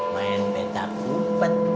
main main tak bupet